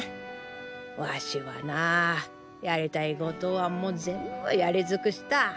ワシはなぁやりたいことはもう全部やり尽くした。